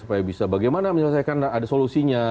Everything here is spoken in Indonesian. supaya bisa bagaimana menyelesaikan ada solusinya